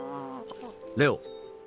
レオ！